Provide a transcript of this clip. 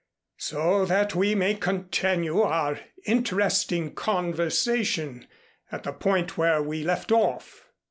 "So that we may continue our interesting conversation at the point where we left off."